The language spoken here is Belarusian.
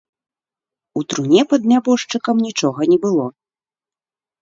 У труне пад нябожчыкам нічога не было.